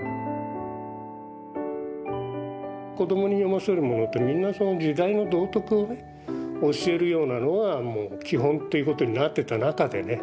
子供に読ませるものってみんなその時代の道徳をね教えるようなのは基本ということになってた中でね